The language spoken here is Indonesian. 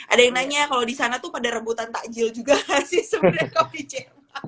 ada yang nanya kalo disana tuh pada rebutan takjil juga gak sih sebenernya kalo di jerman